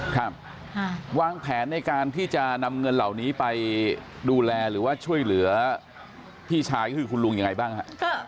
ครับวางแผนในการที่จะนำเงินเหล่านี้ไปดูแลหรือว่าช่วยเหลือพี่ชายก็คือคุณลุงยังไงบ้างฮะ